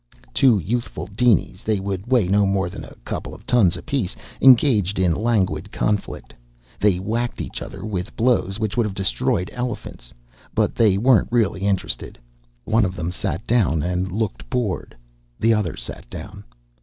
Two youthful dinies they would weigh no more than a couple of tons apiece engaged in languid conflict. They whacked each other with blows which would have destroyed elephants. But they weren't really interested. One of them sat down and looked bored. The other sat down.